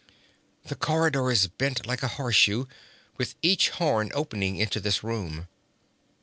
'The corridor is bent like a horseshoe, with each horn opening into this room.